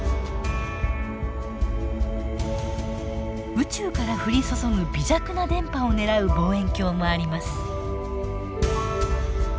宇宙から降り注ぐ微弱な電波を狙う望遠鏡もあります。